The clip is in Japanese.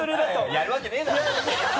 やるわけねぇだろ！